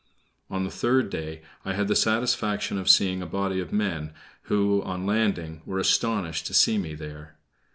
On the third day, I had the satisfaction of seeing a body of men, who, on landing, were astonished to see me there.